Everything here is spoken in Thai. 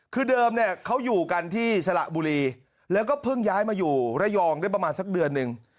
คือเดิมเนี่ยเขาอยู่กันที่สระบุรีแล้วก็เพิ่งย้ายมาอยู่ระยองได้ประมาณสักเดือนหนึ่ง